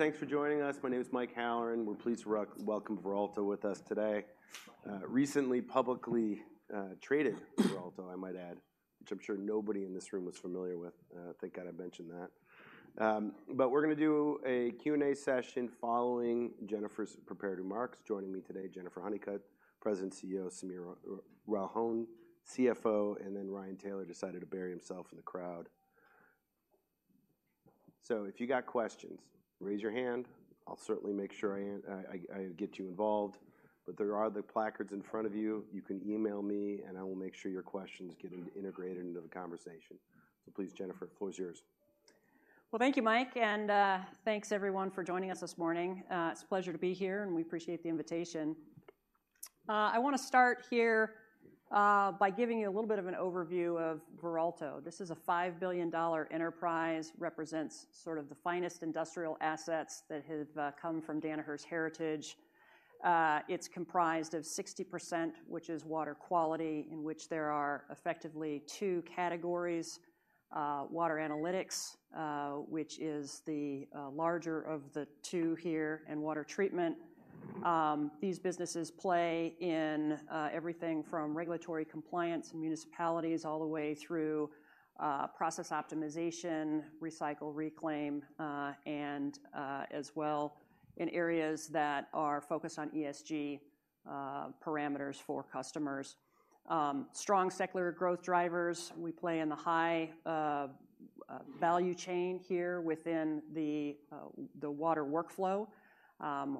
Thanks for joining us. My name is Mike Halloran. We're pleased to welcome Veralto with us today. Recently publicly traded Veralto, I might add, which I'm sure nobody in this room was familiar with. Thank God I mentioned that. But we're gonna do a Q&A session following Jennifer's prepared remarks. Joining me today, Jennifer Honeycutt, President and CEO, Sameer Ralhan, CFO, and then Ryan Taylor decided to bury himself in the crowd. So if you got questions, raise your hand. I'll certainly make sure I get you involved. But there are the placards in front of you. You can email me, and I will make sure your questions get integrated into the conversation. So please, Jennifer, the floor is yours. Well, thank you, Mike, and thanks everyone for joining us this morning. It's a pleasure to be here, and we appreciate the invitation. I wanna start here by giving you a little bit of an overview of Veralto. This is a $5 billion enterprise, represents sort of the finest industrial assets that have come from Danaher's heritage. It's comprised of 60%, which is water quality, in which there are effectively two categories: water analytics, which is the larger of the two here, and water treatment. These businesses play in everything from regulatory compliance and municipalities, all the way through process optimization, recycle, reclaim, and as well in areas that are focused on ESG parameters for customers. Strong secular growth drivers. We play in the high value chain here within the water workflow,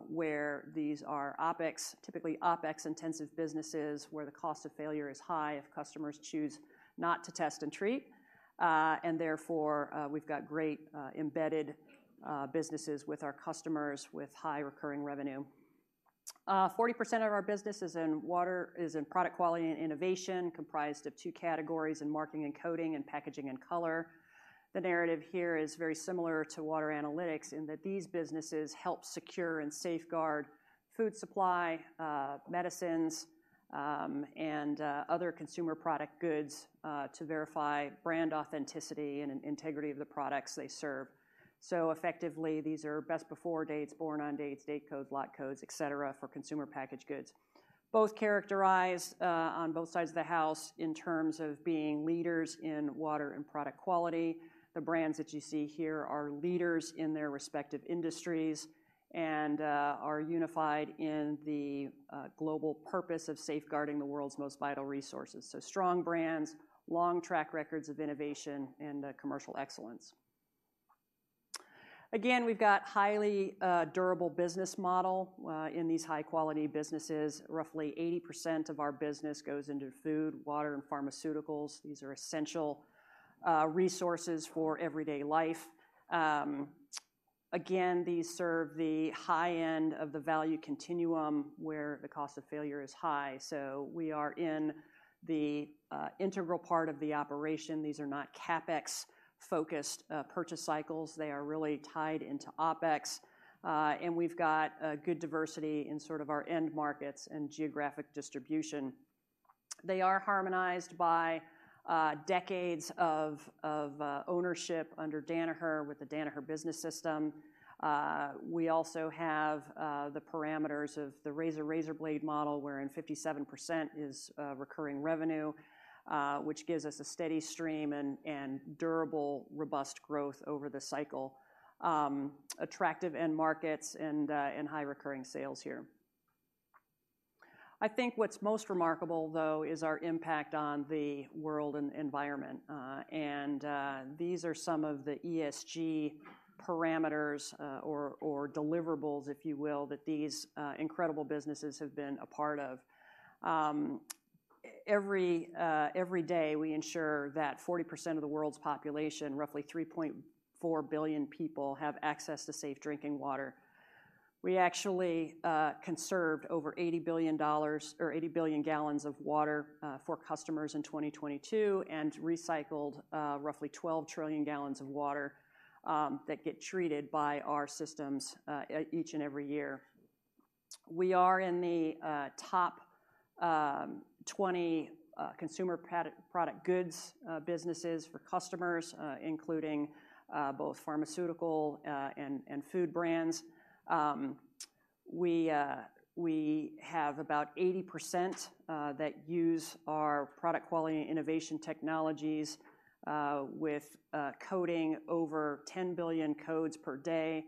where these are OpEx, typically OpEx-intensive businesses, where the cost of failure is high if customers choose not to test and treat. And therefore, we've got great embedded businesses with our customers with high recurring revenue. Forty percent of our business is in water, is in product quality and innovation, comprised of two categories in marking and coding and packaging and color. The narrative here is very similar to water analytics, in that these businesses help secure and safeguard food supply, medicines, and other consumer product goods, to verify brand authenticity and integrity of the products they serve. So effectively, these are best before dates, born on dates, date codes, lot codes, et cetera, for consumer packaged goods. Both characterized on both sides of the house in terms of being leaders in water and product quality. The brands that you see here are leaders in their respective industries and are unified in the global purpose of safeguarding the world's most vital resources. So strong brands, long track records of innovation and commercial excellence. Again, we've got highly durable business model in these high-quality businesses. Roughly 80% of our business goes into food, water, and pharmaceuticals. These are essential resources for everyday life. Again, these serve the high end of the value continuum, where the cost of failure is high. So we are in the integral part of the operation. These are not CapEx-focused purchase cycles. They are really tied into OpEx. And we've got a good diversity in sort of our end markets and geographic distribution. They are harmonized by decades of ownership under Danaher with the Danaher Business System. We also have the parameters of the razor-razorblade model, wherein 57% is recurring revenue, which gives us a steady stream and durable, robust growth over the cycle. Attractive end markets and high recurring sales here. I think what's most remarkable, though, is our impact on the world and environment, and these are some of the ESG parameters, or deliverables, if you will, that these incredible businesses have been a part of. Every day, we ensure that 40% of the world's population, roughly 3.4 billion people, have access to safe drinking water. We actually conserved over $80 billion or 80 billion gal of water for customers in 2022 and recycled roughly 12 trillion gal of water that get treated by our systems each and every year. We are in the top 20 consumer product goods businesses for customers including both pharmaceutical and food brands. We have about 80% that use our product quality and innovation technologies with coding over 10 billion codes per day.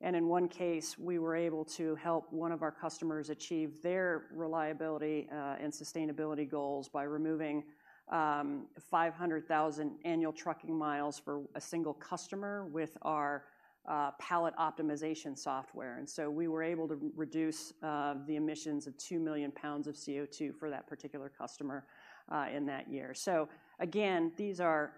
In one case, we were able to help one of our customers achieve their reliability and sustainability goals by removing 500,000 annual trucking miles for a single customer with our pallet optimization software. So we were able to reduce the emissions of 2 million pounds of CO2 for that particular customer in that year. So again, these are.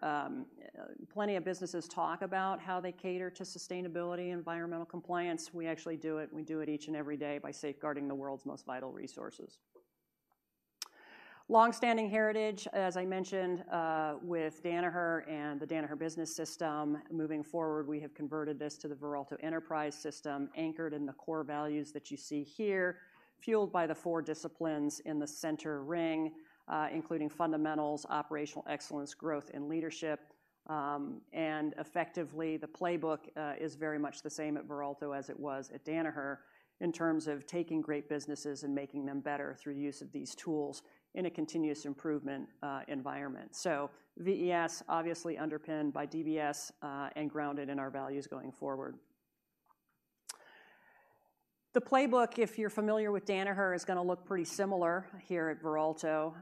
Plenty of businesses talk about how they cater to sustainability and environmental compliance. We actually do it, and we do it each and every day by safeguarding the world's most vital resources. Long-standing heritage, as I mentioned, with Danaher and the Danaher Business System. Moving forward, we have converted this to the Veralto Enterprise System, anchored in the core values that you see here, fueled by the four disciplines in the center ring, including fundamentals, operational excellence, growth, and leadership. Effectively, the playbook is very much the same at Veralto as it was at Danaher in terms of taking great businesses and making them better through use of these tools in a continuous improvement environment. VES, obviously underpinned by DBS, and grounded in our values going forward. The playbook, if you're familiar with Danaher, is gonna look pretty similar here at Veralto.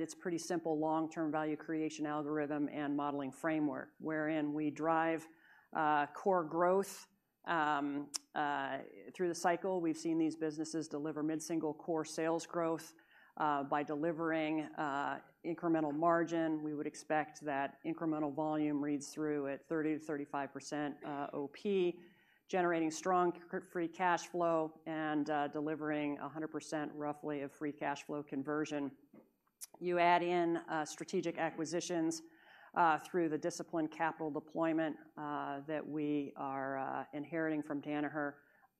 It's pretty simple long-term value creation algorithm and modeling framework, wherein we drive core growth. Through the cycle, we've seen these businesses deliver mid-single-core sales growth. By delivering incremental margin, we would expect that incremental volume reads through at 30%-35% OpEx, generating strong free cash flow, and delivering roughly 100% of free cash flow conversion. You add in, strategic acquisitions, through the disciplined capital deployment, that we are inheriting from Danaher.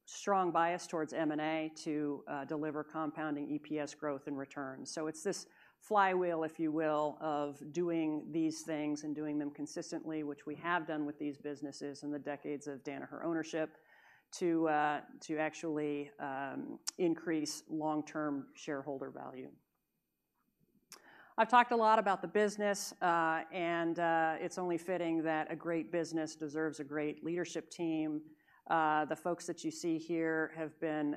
Strong bias towards M&A to deliver compounding EPS growth and returns. So it's this flywheel, if you will, of doing these things and doing them consistently, which we have done with these businesses in the decades of Danaher ownership, to actually increase long-term shareholder value. I've talked a lot about the business, and it's only fitting that a great business deserves a great leadership team. The folks that you see here have been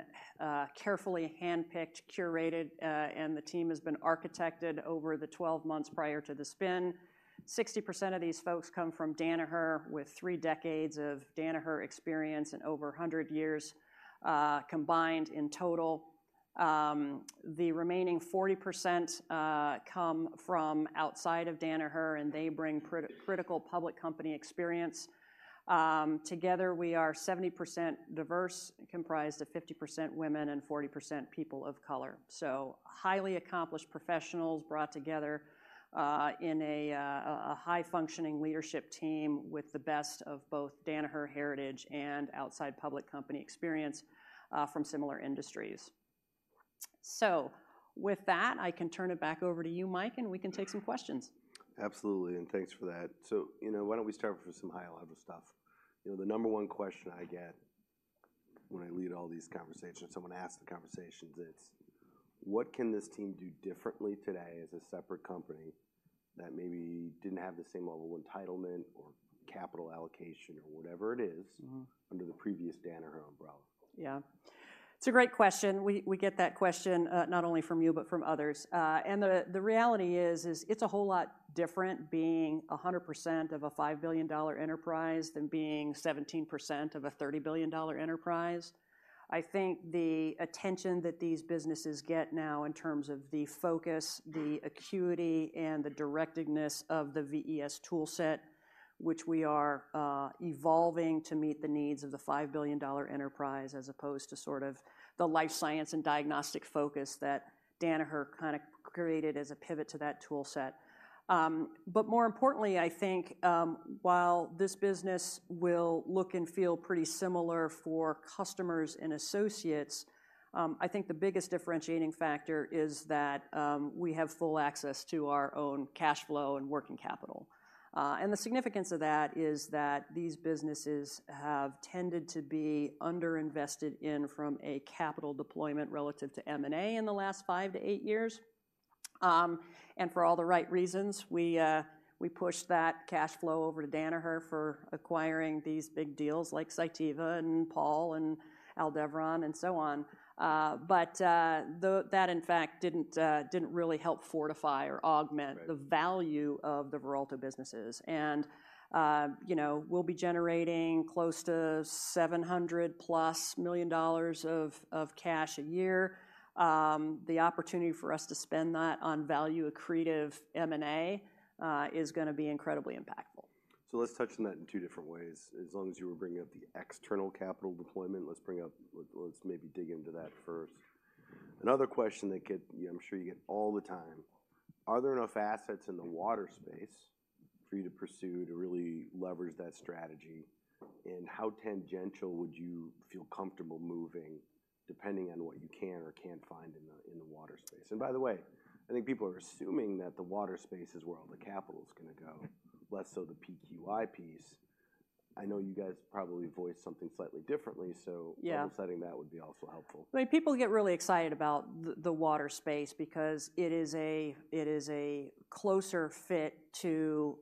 carefully handpicked, curated, and the team has been architected over the 12 months prior to the spin. 60% of these folks come from Danaher, with three decades of Danaher experience and over 100 years combined in total. The remaining 40% come from outside of Danaher, and they bring critical public company experience. Together, we are 70% diverse, comprised of 50% women and 40% people of color. So highly accomplished professionals brought together in a high-functioning leadership team with the best of both Danaher heritage and outside public company experience from similar industries. So with that, I can turn it back over to you, Mike, and we can take some questions. Absolutely, and thanks for that. So, you know, why don't we start with some high-level stuff? You know, the number one question I get when I lead all these conversations, someone asks the conversations, it's: what can this team do differently today as a separate company that maybe didn't have the same level of entitlement or capital allocation or whatever it is under the previous Danaher umbrella? Yeah. It's a great question. We, we get that question, not only from you, but from others. And the, the reality is, is it's a whole lot different being 100% of a $5 billion enterprise than being 17% of a $30 billion enterprise. I think the attention that these businesses get now in terms of the focus, the acuity, and the directedness of the VES tool set, which we are, evolving to meet the needs of the $5 billion enterprise, as opposed to sort of the life science and diagnostic focus that Danaher kind of created as a pivot to that tool set. But more importantly, I think, while this business will look and feel pretty similar for customers and associates, I think the biggest differentiating factor is that we have full access to our own cash flow and working capital. And the significance of that is that these businesses have tended to be underinvested in from a capital deployment relative to M&A in the last five to eight years. And for all the right reasons, we pushed that cash flow over to Danaher for acquiring these big deals like Cytiva and Pall and Aldevron and so on. But that, in fact, didn't really help fortify or augment- Right... the value of the Veralto businesses. And, you know, we'll be generating close to $700+ million of cash a year. The opportunity for us to spend that on value-accretive M&A is gonna be incredibly impactful. So let's touch on that in two different ways. As long as you were bringing up the external capital deployment, let's bring up, let's maybe dig into that first. Another question that gets, I'm sure you get all the time: Are there enough assets in the water space for you to pursue to really leverage that strategy? And how tangential would you feel comfortable moving, depending on what you can or can't find in the, in the water space? And by the way, I think people are assuming that the water space is where all the capital is gonna go. Less so the PQI piece. I know you guys probably voice something slightly differently, so- Yeah... offsetting that would be also helpful. I mean, people get really excited about the water space because it is a closer fit to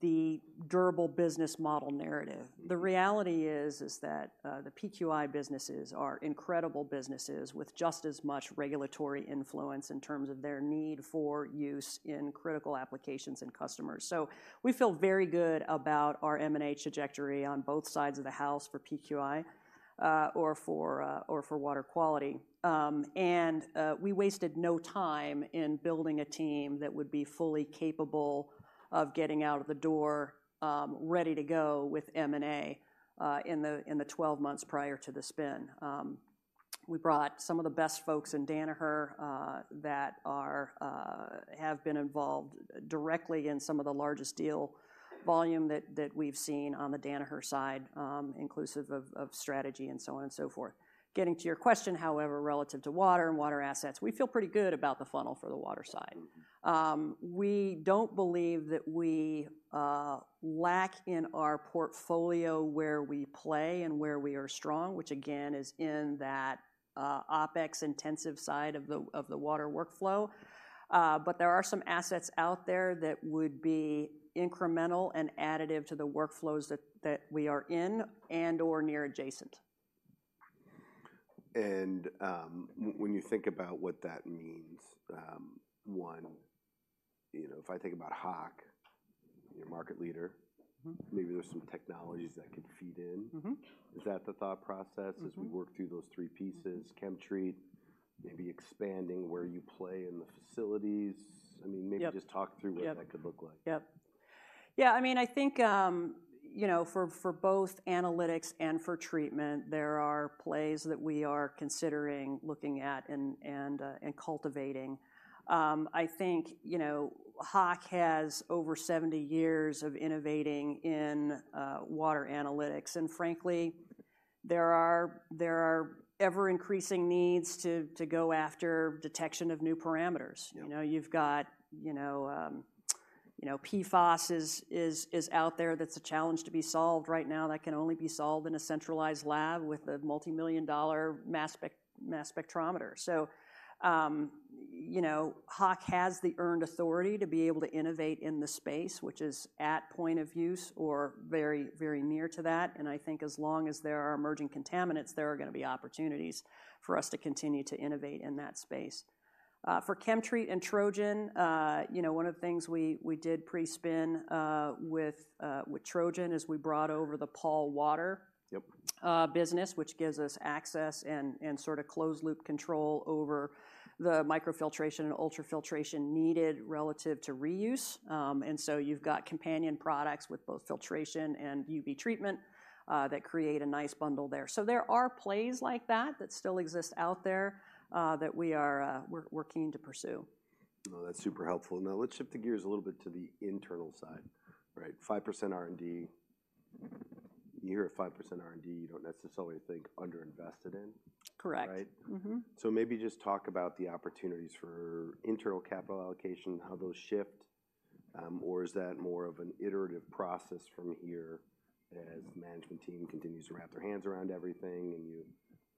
the durable business model narrative. The reality is that the PQI businesses are incredible businesses with just as much regulatory influence in terms of their need for use in critical applications and customers. So we feel very good about our M&A trajectory on both sides of the house for PQI, or for water quality. We wasted no time in building a team that would be fully capable of getting out of the door, ready to go with M&A, in the 12 months prior to the spin. We brought some of the best folks in Danaher that are have been involved directly in some of the largest deal volume that we've seen on the Danaher side, inclusive of strategy, and so on and so forth. Getting to your question, however, relative to water and water assets, we feel pretty good about the funnel for the water side. We don't believe that we lack in our portfolio where we play and where we are strong, which again, is in that OpEx-intensive side of the water workflow. But there are some assets out there that would be incremental and additive to the workflows that we are in and, or near adjacent. When you think about what that means, one, you know, if I think about Hach, your market leader- Maybe there's some technologies that could feed in. Is that the thought process? As we work through those three pieces? ChemTreat, maybe expanding where you play in the facilities. Yep. I mean, maybe just talk through- Yep... what that could look like. Yep. Yeah, I mean, I think, you know, for both analytics and for treatment, there are plays that we are considering looking at and cultivating. I think, you know, Hach has over 70 years of innovating in water analytics, and frankly, there are ever-increasing needs to go after detection of new parameters. Yep. You know, you've got, you know, PFAS is out there. That's a challenge to be solved right now, that can only be solved in a centralized lab with a multimillion-dollar mass spec- mass spectrometer. So, you know, Hach has the earned authority to be able to innovate in the space, which is at point of use or very, very near to that, and I think as long as there are emerging contaminants, there are gonna be opportunities for us to continue to innovate in that space. For ChemTreat and Trojan, you know, one of the things we did pre-spin with Trojan is we brought over the Pall Water- Yep... business, which gives us access and sort of closed loop control over the microfiltration and ultrafiltration needed relative to reuse. So you've got companion products with both filtration and UV treatment that create a nice bundle there. So there are plays like that that still exist out there that we're keen to pursue. Well, that's super helpful. Now, let's shift the gears a little bit to the internal side, right? 5% R&D. You hear a 5% R&D, you don't necessarily think underinvested in. Correct. Right? Maybe just talk about the opportunities for internal capital allocation, how those shift, or is that more of an iterative process from here as management team continues to wrap their hands around everything, and you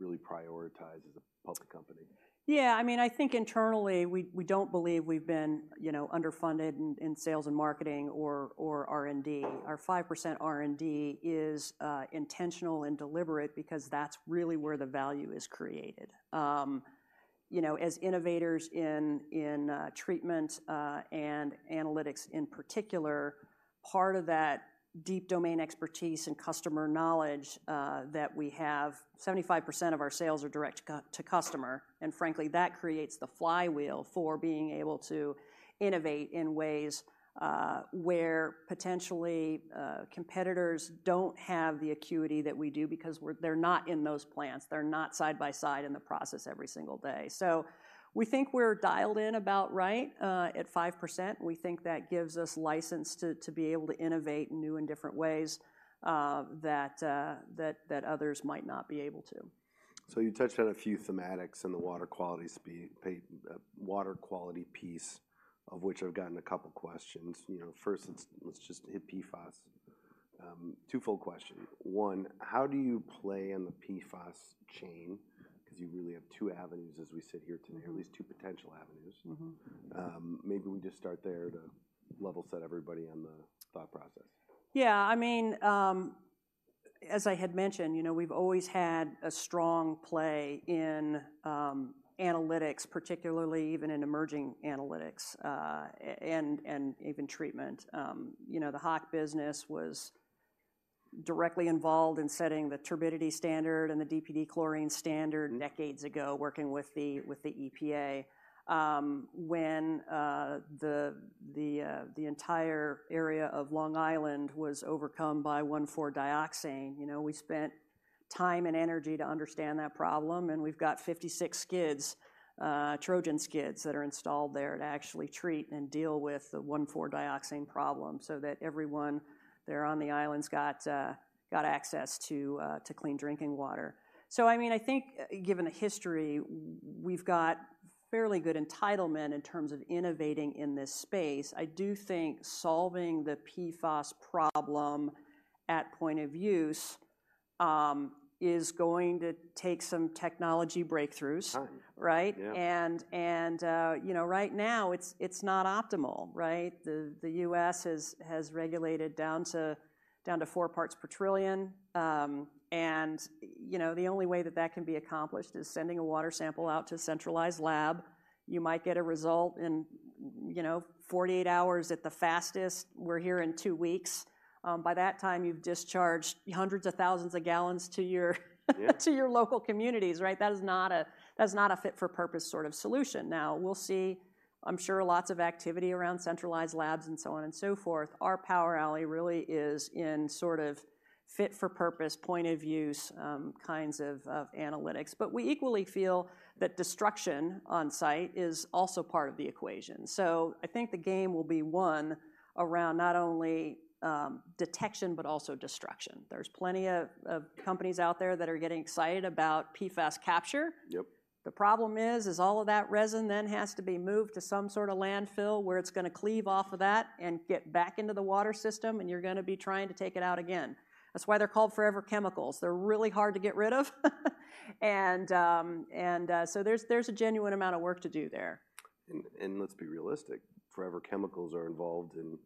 really prioritize as a public company? Yeah, I mean, I think internally, we don't believe we've been, you know, underfunded in sales and marketing or R&D. Our 5% R&D is intentional and deliberate because that's really where the value is created. You know, as innovators in treatment and analytics in particular, part of that deep domain expertise and customer knowledge that we have, 75% of our sales are direct to customer, and frankly, that creates the flywheel for being able to innovate in ways where potentially competitors don't have the acuity that we do because we're, they're not in those plants. They're not side by side in the process every single day. So we think we're dialed in about right at 5%. We think that gives us license to be able to innovate in new and different ways, that others might not be able to. So you touched on a few thematics in the water quality piece, of which I've gotten a couple questions. You know, first, let's just hit PFAS. Twofold question: one, how do you play in the PFAS chain? 'Cause you really have two avenues as we sit here today, or at least two potential avenues. Maybe we just start there to level set everybody on the thought process. Yeah, I mean, as I had mentioned, you know, we've always had a strong play in analytics, particularly even in emerging analytics, and even treatment. You know, the Hach business was directly involved in setting the turbidity standard and the DPD chlorine standard decades ago, working with the EPA. When the entire area of Long Island was overcome by 1,4-dioxane, you know, we spent time and energy to understand that problem, and we've got 56 skids, Trojan skids, that are installed there to actually treat and deal with the 1,4-dioxane problem so that everyone there on the island's got access to clean drinking water. So, I mean, I think, given the history, we've got fairly good entitlement in terms of innovating in this space. I do think solving the PFAS problem at point of use is going to take some technology breakthroughs. Right. Right? Yeah. You know, right now, it's not optimal, right? The U.S. has regulated down to 4 parts per trillion. And, you know, the only way that can be accomplished is sending a water sample out to a centralized lab. You might get a result in, you know, 48 hours at the fastest. We're hearing two weeks. By that time, you've discharged hundreds of thousands of gallons to your, - Yeah... to your local communities, right? That is not a fit-for-purpose sort of solution. Now, we'll see, I'm sure, lots of activity around centralized labs, and so on and so forth. Our power alley really is in sort of, fit for purpose, point of use, kinds of analytics. But we equally feel that destruction on site is also part of the equation. So I think the game will be won around not only detection, but also destruction. There's plenty of companies out there that are getting excited about PFAS capture. Yep. The problem is all of that resin then has to be moved to some sort of landfill, where it's gonna cleave off of that and get back into the water system, and you're gonna be trying to take it out again. That's why they're called forever chemicals. They're really hard to get rid of. And so there's a genuine amount of work to do there. Let's be realistic, forever chemicals are involved in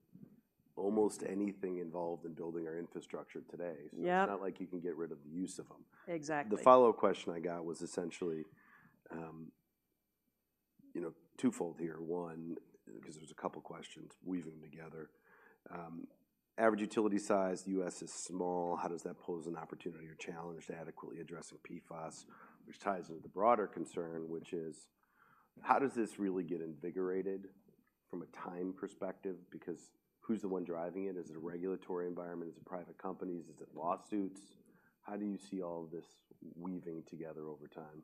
almost anything involved in building our infrastructure today. Yeah. It's not like you can get rid of the use of them. Exactly. The follow-up question I got was essentially, you know, twofold here. One, 'cause there was a couple questions, weave them together. Average utility size, the U.S. is small. How does that pose an opportunity or challenge to adequately addressing PFAS? Which ties into the broader concern, which is: how does this really get invigorated from a time perspective? Because who's the one driving it? Is it a regulatory environment, is it private companies, is it lawsuits? How do you see all of this weaving together over time?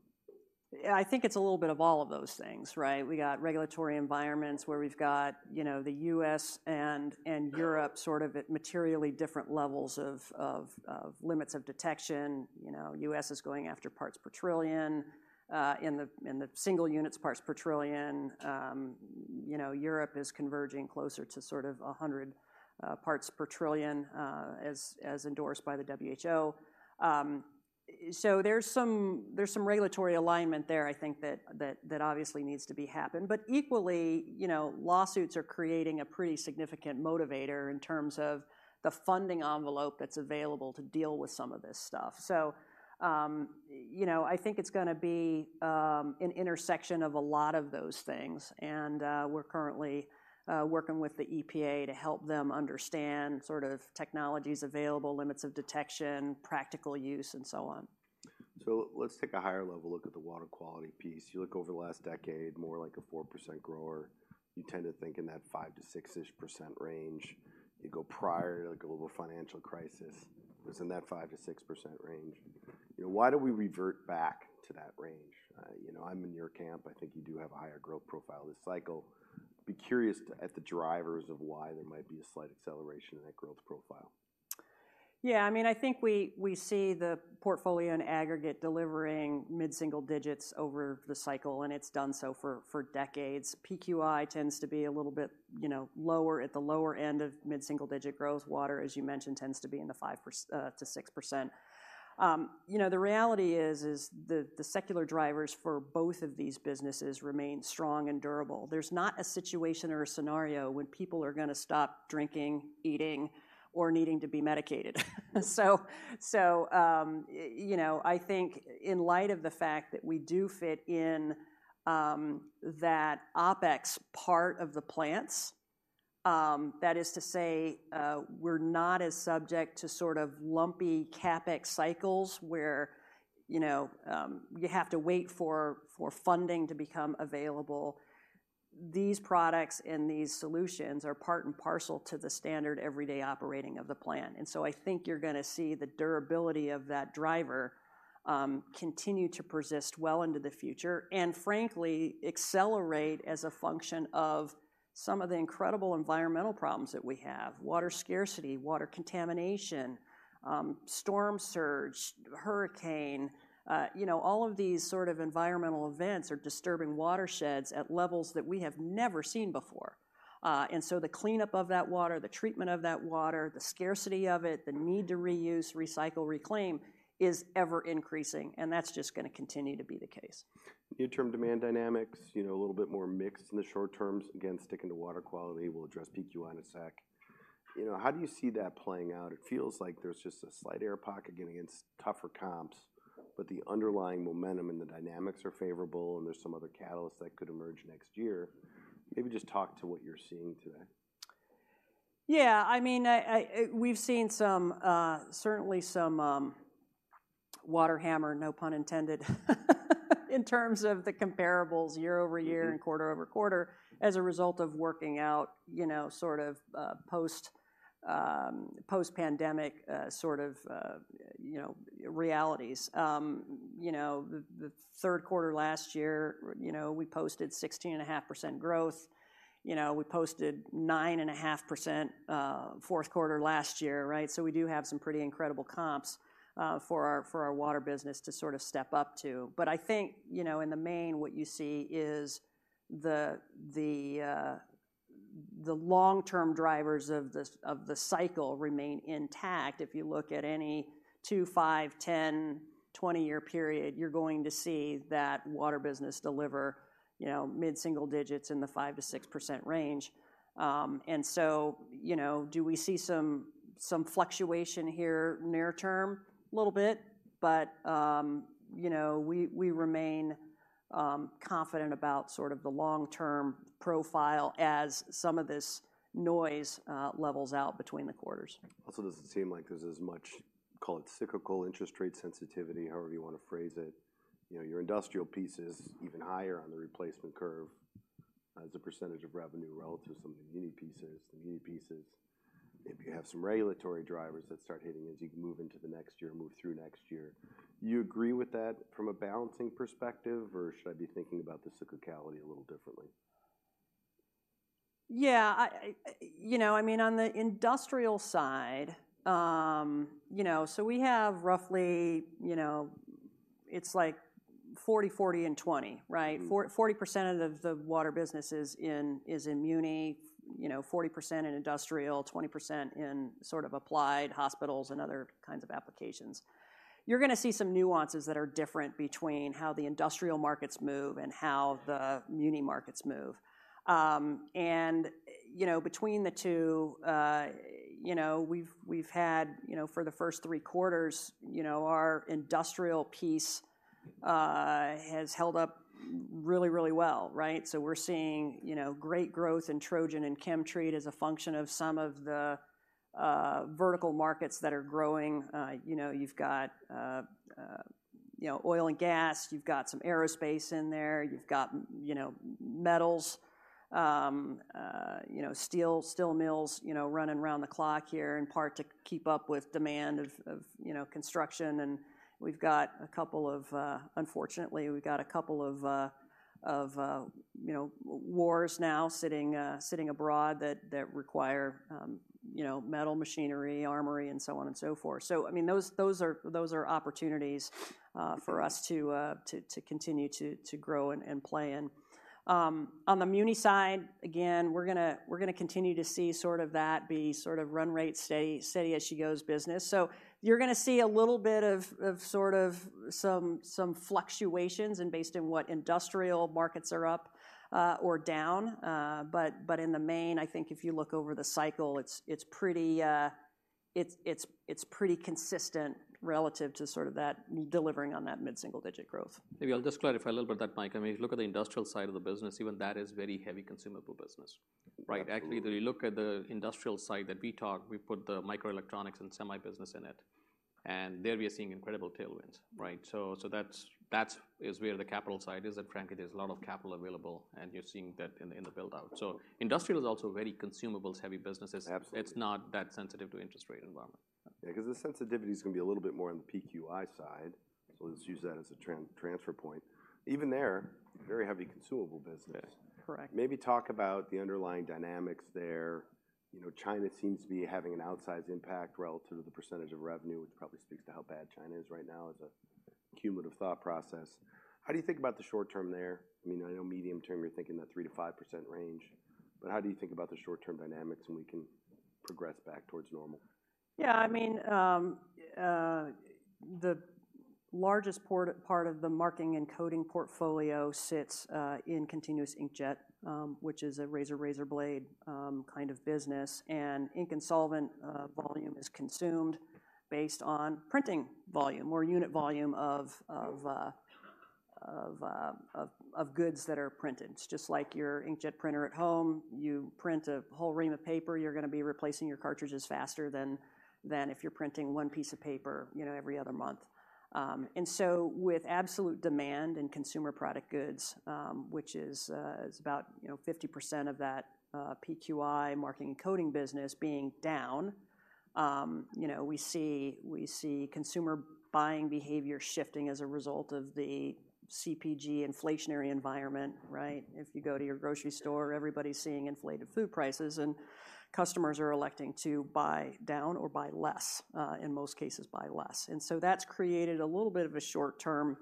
I think it's a little bit of all of those things, right? We got regulatory environments, where we've got, you know, the U.S. and Europe sort of at materially different levels of limits of detection. You know, U.S. is going after parts per trillion in the single units parts per trillion. You know, Europe is converging closer to sort of 100 parts per trillion as endorsed by the WHO. So there's some regulatory alignment there, I think, that obviously needs to be happened. But equally, you know, lawsuits are creating a pretty significant motivator in terms of the funding envelope that's available to deal with some of this stuff. So, you know, I think it's gonna be an intersection of a lot of those things. We're currently working with the EPA to help them understand sort of technologies available, limits of detection, practical use, and so on. So let's take a higher level look at the water quality piece. You look over the last decade, more like a 4% grower, you tend to think in that 5%-6-ish% range. You go prior to, like, a global financial crisis, was in that 5%-6% range. You know, why do we revert back to that range? You know, I'm in your camp. I think you do have a higher growth profile this cycle. Be curious to- at the drivers of why there might be a slight acceleration in that growth profile. Yeah, I mean, I think we see the portfolio in aggregate delivering mid-single digits over the cycle, and it's done so for decades. PQI tends to be a little bit, you know, lower, at the lower end of mid-single digit growth. Water, as you mentioned, tends to be in the 5%-6%. You know, the reality is the secular drivers for both of these businesses remain strong and durable. There's not a situation or a scenario when people are gonna stop drinking, eating, or needing to be medicated. So, you know, I think in light of the fact that we do fit in that OpEx part of the plants, that is to say, we're not as subject to sort of lumpy CapEx cycles, where, you know, you have to wait for funding to become available. These products and these solutions are part and parcel to the standard everyday operating of the plant. And so I think you're gonna see the durability of that driver continue to persist well into the future, and frankly, accelerate as a function of some of the incredible environmental problems that we have: water scarcity, water contamination, storm surge, hurricane. You know, all of these sort of environmental events are disturbing watersheds at levels that we have never seen before. And so the cleanup of that water, the treatment of that water, the scarcity of it, the need to reuse, recycle, reclaim, is ever increasing, and that's just gonna continue to be the case. Interim demand dynamics, you know, a little bit more mixed in the short terms. Again, sticking to water quality, we'll address PQI in a sec. You know, how do you see that playing out? It feels like there's just a slight air pocket getting against tougher comps, but the underlying momentum and the dynamics are favorable, and there's some other catalysts that could emerge next year. Maybe just talk to what you're seeing today. Yeah, I mean, we've seen some certainly some water hammer, no pun intended, in terms of the comparables year-over-year and quarter-over-quarter, as a result of working out, you know, sort of, post-pandemic, sort of, you know, realities. You know, the third quarter last year, you know, we posted 16.5% growth. You know, we posted 9.5%, fourth quarter last year, right? So we do have some pretty incredible comps, for our water business to sort of step up to. But I think, you know, in the main, what you see is the long-term drivers of the cycle remain intact. If you look at any two, five, 10, 20-year period, you're going to see that water business deliver, you know, mid-single digits in the 5%-6% range. And so, you know, do we see some fluctuation here near term? Little bit, but, you know, we remain confident about sort of the long-term profile as some of this noise levels out between the quarters. Also, does it seem like there's as much, call it, cyclical interest rate sensitivity, however you wanna phrase it? You know, your industrial piece is even higher on the replacement curve... as a percentage of revenue relative to some of the muni pieces. The muni pieces, maybe you have some regulatory drivers that start hitting as you move into the next year, move through next year. Do you agree with that from a balancing perspective, or should I be thinking about the cyclicality a little differently? Yeah, you know, I mean, on the industrial side, you know, so we have roughly, you know, it's like 40, 40, and 20, right? 40% of the water business is in muni, you know, 40% in industrial, 20% in sort of applied hospitals and other kinds of applications. You're gonna see some nuances that are different between how the industrial markets move and how the muni markets move. You know, between the two, you know, we've had, you know, for the first three quarters, you know, our industrial piece has held up really, really well, right? So we're seeing, you know, great growth in Trojan and ChemTreat as a function of some of the vertical markets that are growing. You know, you've got oil and gas, you've got some aerospace in there, you've got metals, steel mills running around the clock here, in part, to keep up with demand of construction. And we've got a couple of, unfortunately, we've got a couple of wars now sitting abroad that require metal, machinery, armory, and so on and so forth. So, I mean, those are opportunities for us to continue to grow and play in. On the muni side, again, we're gonna continue to see sort of that be sort of run rate, steady as she goes business. So you're gonna see a little bit of sort of some fluctuations and based on what industrial markets are up or down. But in the main, I think if you look over the cycle, it's pretty consistent relative to sort of that delivering on that mid-single-digit growth. Maybe I'll just clarify a little bit, Mike. I mean, if you look at the industrial side of the business, even that is very heavy consumable business, right? Actually, if you look at the industrial side that we talk, we put the microelectronics and semi business in it, and there we are seeing incredible tailwinds, right? So that's where the capital side is, that frankly, there's a lot of capital available, and you're seeing that in the build-out. So industrial is also very consumables-heavy businesses. Absolutely. It's not that sensitive to interest rate environment. Yeah, because the sensitivity is gonna be a little bit more on the PQI side, so let's use that as a transfer point. Even there, very heavy consumable business. Yeah. Correct. Maybe talk about the underlying dynamics there. You know, China seems to be having an outsized impact relative to the percentage of revenue, which probably speaks to how bad China is right now as a cumulative thought process. How do you think about the short term there? I mean, I know medium term, you're thinking that 3%-5% range, but how do you think about the short-term dynamics, and we can progress back towards normal? Yeah, I mean, the largest part of the marking and coding portfolio sits in continuous inkjet, which is a razor-razorblade kind of business. And ink and solvent volume is consumed based on printing volume or unit volume of goods that are printed. It's just like your inkjet printer at home. You print a whole ream of paper, you're gonna be replacing your cartridges faster than if you're printing one piece of paper, you know, every other month. And so with absolute demand in consumer product goods, which is about, you know, 50% of that PQI marking and coding business being down, you know, we see consumer buying behavior shifting as a result of the CPG inflationary environment, right? If you go to your grocery store, everybody's seeing inflated food prices, and customers are electing to buy down or buy less, in most cases, buy less. And so that's created a little bit of a short-term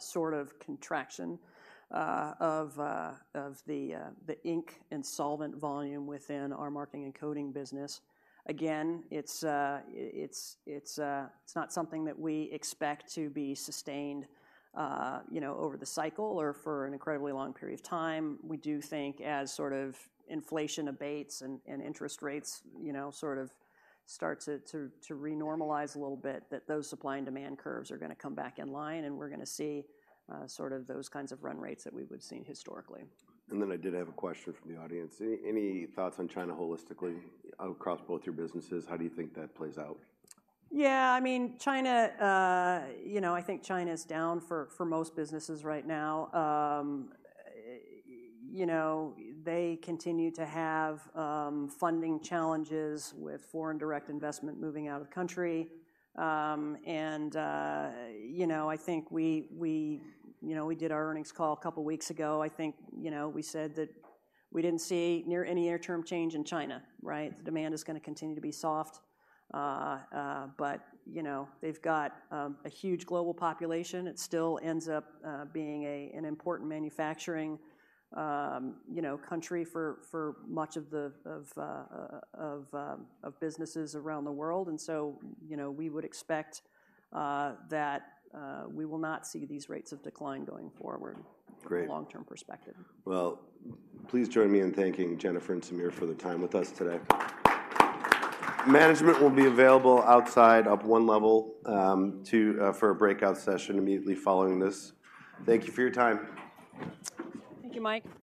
sort of contraction of the ink and solvent volume within our marking and coding business. Again, it's not something that we expect to be sustained, you know, over the cycle or for an incredibly long period of time. We do think as sort of inflation abates and interest rates, you know, sort of starts to renormalize a little bit, that those supply and demand curves are gonna come back in line, and we're gonna see sort of those kinds of run rates that we would've seen historically. Then I did have a question from the audience. Any thoughts on China holistically across both your businesses? How do you think that plays out? Yeah, I mean, China, you know, I think China is down for most businesses right now. You know, they continue to have funding challenges with foreign direct investment moving out of the country. And, you know, I think we—you know, we did our earnings call a couple of weeks ago. I think, you know, we said that we didn't see any near-term change in China, right? The demand is gonna continue to be soft. But, you know, they've got a huge global population. It still ends up being an important manufacturing, you know, country for much of the businesses around the world, and so, you know, we would expect that we will not see these rates of decline going forward- Great... from a long-term perspective. Well, please join me in thanking Jennifer and Sameer for their time with us today. Management will be available outside, up one level, for a breakout session immediately following this. Thank you for your time. Thank you, Mike.